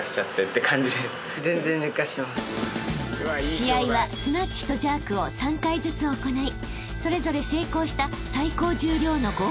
［試合はスナッチとジャークを３回ずつ行いそれぞれ成功した最高重量の合計を競います］